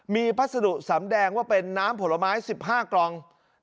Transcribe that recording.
มีพัสดุสำแดงว่าเป็นน้ำผลไม้๑๕กล่อง